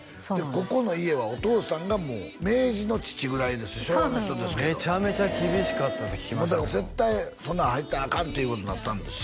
ここの家はお父さんがもう明治の父ぐらいですよ昭和の人ですけどめちゃめちゃ厳しかったって聞きました絶対そんなん入ったらアカンっていうことになったんですよ